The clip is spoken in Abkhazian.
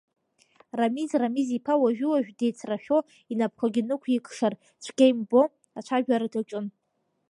Рамиз Рамиз-иԥа уажәы-уажәы деицрашәо, инапқәагьы нықәикшар цәгьа имбо ацәажәара даҿын.